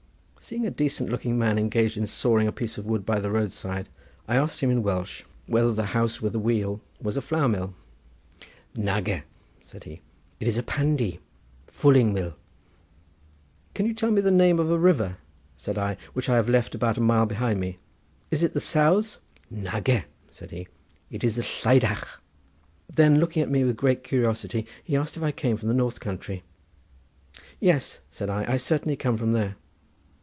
Seeing a decent looking man engaged in sawing a piece of wood by the roadside, I asked him in Welsh whether the house with the wheel was a flour mill. "Nage," said he, "it is a pandy, fulling mill." "Can you tell me the name of a river," said I, "which I have left about a mile behind me? Is it the Sawdde?" "Nage," said he. "It is the Lleidach." Then looking at me with great curiosity he asked me if I came from the north country. "Yes," said I, "I certainly come from there."